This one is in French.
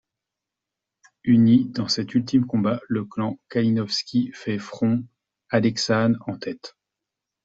Uni dans cet ultime combat, le clan Kalinovsky fait frond, Alexanne en tête.